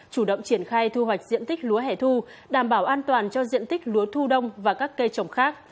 chủ động triển khai thu hoạch diện tích lúa hẻ thu đảm bảo an toàn cho diện tích lúa thu đông và các cây trồng khác